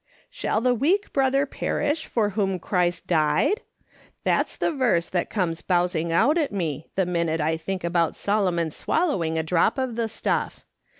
' Shall the weak brother perish for whom Christ died ?' That's the verse that comes bowsing out at me the miiuite I think about Solomon swallowing a drop of the stuff.